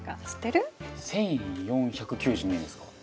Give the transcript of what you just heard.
１４９２年ですか。